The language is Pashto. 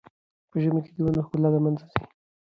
په ژمي کې د ونو ښکلا له منځه ځي.